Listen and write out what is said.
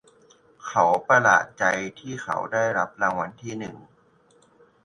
เขาประหลาดใจที่เขาได้รับรางวัลที่หนึ่ง